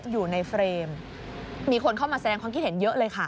อยู่ในเฟรมมีคนเข้ามาแสดงความคิดเห็นเยอะเลยค่ะ